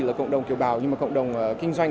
là cộng đồng kiều bào nhưng mà cộng đồng kinh doanh